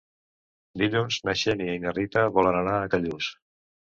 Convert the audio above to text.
Dilluns na Xènia i na Rita volen anar a Callús.